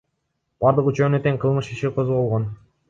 Бардык үчөөнө тең кылмыш иши козголгон.